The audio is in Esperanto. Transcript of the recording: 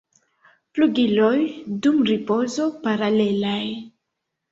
Flugiloj dum ripozo paralelaj.